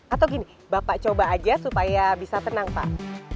atau gini bapak coba aja supaya bisa tenang pak